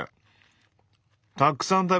たくさん食べれる。